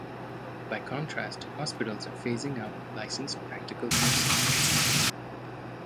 By contrast hospitals are phasing out licensed practical nurses.